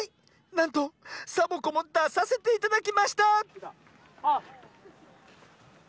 なんとサボ子もださせていただきました！